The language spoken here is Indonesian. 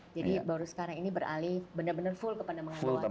jadi baru sekarang ini beralih benar benar full ke penambangan bawah tanah